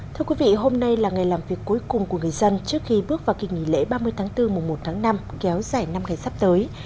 thưa quý vị hôm nay là ngày làm việc cuối cùng của người dân trước khi bước vào kỳ nghỉ lễ ba mươi tháng bốn mùa một tháng năm kéo dài năm ngày sắp tới